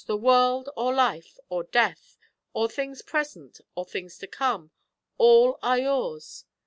the world, or life, or death, or things present, or things to come: all are yours.'